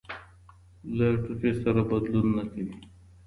له ټوخي سره بدلون نه کوي.